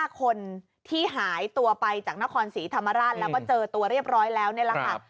๕คนที่หายตัวไปจากนครศรีธรรมราชแล้วก็เจอตัวเรียบร้อยแล้วนี่แหละค่ะ